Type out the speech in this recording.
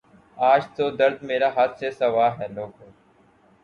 آج تو درد مرا حد سے سوا ہے لوگو